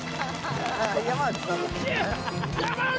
山内！